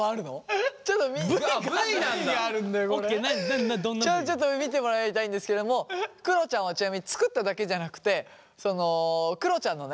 ちょっと見てもらいたいんですけどもくろちゃんはちなみに作っただけじゃなくてくろちゃんのね